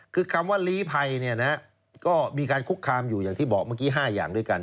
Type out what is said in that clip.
คือคำว่าลีภัยก็มีการคุกคามอยู่อย่างที่บอกเมื่อกี้๕อย่างด้วยกัน